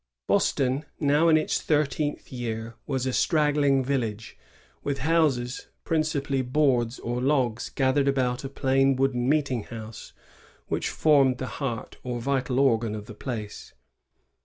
Boston, now in ito thirteenth year, was a straggling Tillage, with houses principalirS boards or logs gaax^d about a pLunwoodT meeting house whS formed the heart or vital organ of the place.